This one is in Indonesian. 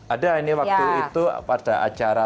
ada ini waktu itu pada acara